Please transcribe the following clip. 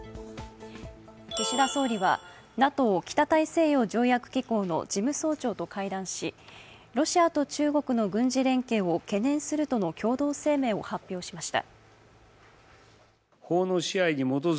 岸田総理はＮＡＴＯ＝北大西洋条約機構の事務総長と会談しロシアと中国の軍事連携を懸念するとの共同声明を発表しました。